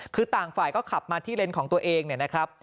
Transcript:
คือต่างฝ่ายก็ขับมาที่เลนส์ของตัวเองเนี่ยนะครับ